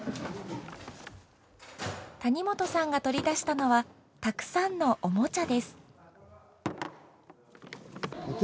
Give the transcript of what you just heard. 谷本さんが取り出したのはたくさんのおもちゃです。